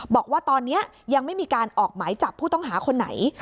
บอกว่าตอนนี้ยังไม่มีการออกหมายจับผู้ต้องหาคนไหน